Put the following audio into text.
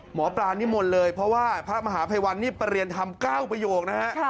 หมอปลานิมนต์เลยเพราะว่าพระมหาภัยวัลนี่เปรียรทำ๙ประโยคนะครับ